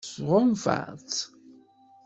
Tɣunfa-tt?